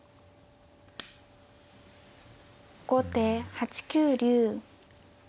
後手８九竜。